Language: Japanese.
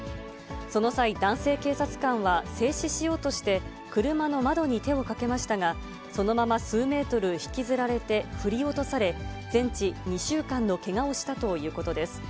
その際、男性警察官は、制止しようとして、車の窓に手をかけましたが、そのまま数メートル引きずられて振り落とされ、全治２週間のけがをしたということです。